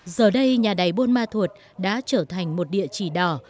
giờ đây nhà đài bôn ma thuột đã trở thành một địa chỉ đỏ